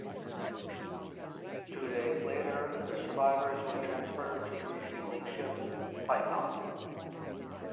Two days later the survivors were transferred to the refueling ship "Python".